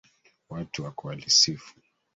Watu wako walisifu.